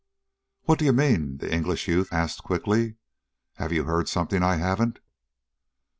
"What do you mean?" the English youth asked quickly. "Have you heard something I haven't?"